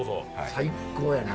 最高やな。